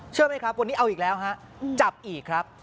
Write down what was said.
เชื่อไหมครับวันนี้เอาอีกแล้วฮะจับอีกครับ